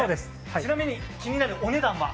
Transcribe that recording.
ちなみに気になるお値段は？